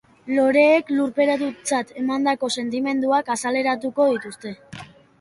Loreek lurperatutzat emandako sentimenduak azaleratuko dituzte.